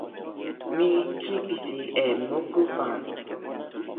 mi kipisi e moku pan.